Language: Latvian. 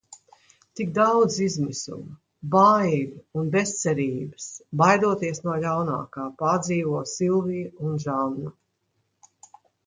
Tik daudz izmisuma, baiļu un bezcerības baidoties no ļaunākā, pārdzīvi Silvija un Žanna.